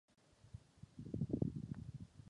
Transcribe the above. Paní komisařko, toto je ta nejpodstatnější záležitost.